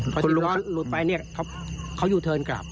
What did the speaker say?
พอสิบล้อหลุดไปเขายูเทิร์นกลับ